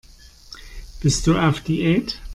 Bist du auf Diät?